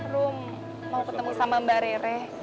room mau ketemu sama mbak rere